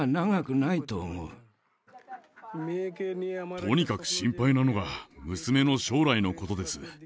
とにかく心配なのが娘の将来のことです。